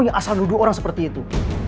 ini asal nuduh orang seperti itu